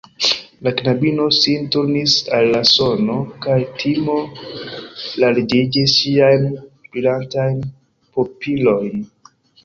La knabino sin turnis al la sono, kaj timo larĝigis ŝiajn brilantajn pupilojn.